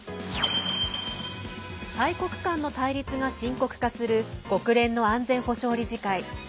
大国間の対立が深刻化する国連の安全保障理事会。